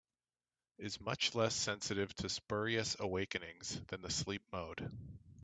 Is much less sensitive to spurious awakenings than the sleep mode.